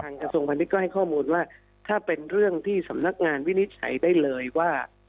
กระทรวงพาณิชยก็ให้ข้อมูลว่าถ้าเป็นเรื่องที่สำนักงานวินิจฉัยได้เลยว่า